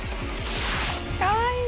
かわいい！